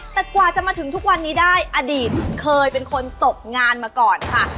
แต่กว่าจะมาถึงทุกวันนี้ได้อดีตเคยเป็นคนตกงานมาก่อนค่ะ